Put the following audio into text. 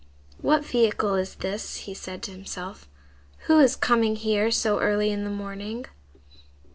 "What vehicle is this?" he said to himself. "Who is coming here so early in the morning?"